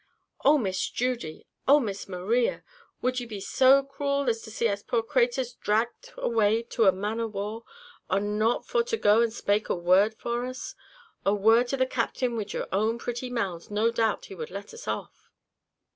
"Oh, Miss Judy! Oh, Miss Maria! would ye be so cruel as to see us poor craturs dragged away to a man of war, and not for to go and spake a word for us? A word to the captain wid your own pretty mouths, no doubt he would let us off."